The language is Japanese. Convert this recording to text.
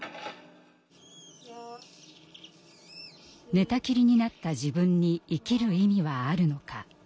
「寝たきりになった自分に生きる意味はあるのか」。